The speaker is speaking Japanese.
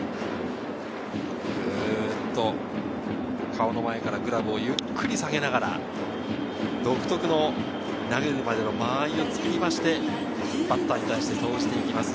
顔の前からグラブをゆっくり下げながら独特の投げるまでの間合いを作ってバッターに対して投じていきます